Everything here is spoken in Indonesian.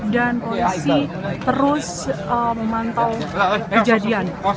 dan polisi terus memantau kejadian